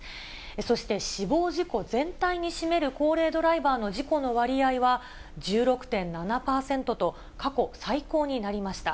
そして死亡事故全体に占める高齢ドライバーの事故の割合は、１６．７％と、過去最高になりました。